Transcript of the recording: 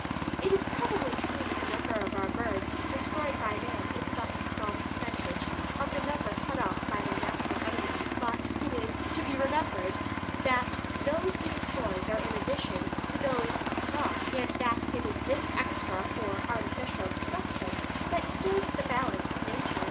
It is probably true that the number of our birds destroyed by man is but a small percentage of the number cut off by their natural enemies; but it is to be remembered that those he destroys are in addition to those thus cut off, and that it is this extra or artificial destruction that disturbs the balance of nature.